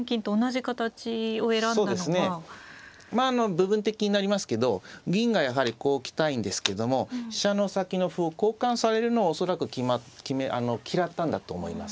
部分的になりますけど銀がやはりこう来たいんですけども飛車の先の歩を交換されるのを恐らく嫌ったんだと思います。